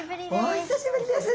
お久しぶりです。